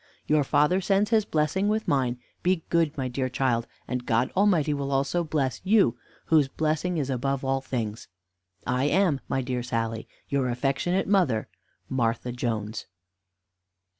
Your father sends his blessing with mine. Be good, my dear child, and God Almighty will also bless you, whose blessing is above all things. "I am, my dear Sally, "Your affectionate mother, "MARTHA JONES."